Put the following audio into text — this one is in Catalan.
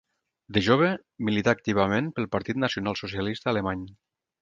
De jove, milità activament pel Partit Nacional Socialista Alemany.